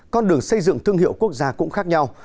con đường xây dựng thương hiệu quốc gia cũng khác nhau